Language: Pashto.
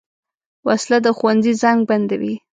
وسله د ښوونځي زنګ بندوي